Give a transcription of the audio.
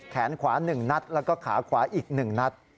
แขนขวา๑นัดแล้วก็ขาขวาอีก๑นัด